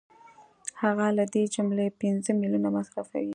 هغه له دې جملې پنځه میلیونه مصرفوي